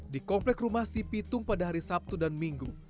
di komplek rumah si pitung pada hari sabtu dan minggu